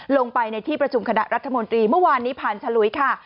ลงไปในที่ประชุมคณะรัฐมนตรีเมื่อวานนี้ผ่านฉลุยค่ะ